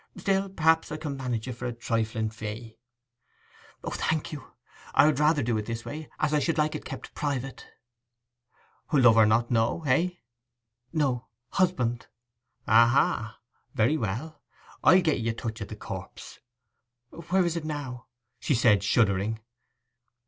Still, perhaps, I can manage it for a trifling fee.' 'O, thank you! I would rather do it this way, as I should like it kept private.' 'Lover not to know, eh?' 'No—husband.' 'Aha! Very well. I'll get ee' a touch of the corpse.' 'Where is it now?' she said, shuddering.